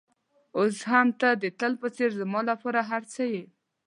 اوس هم ته د تل په څېر زما لپاره هر څه یې.